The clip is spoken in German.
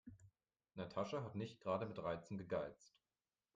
Natascha hat nicht gerade mit Reizen gegeizt.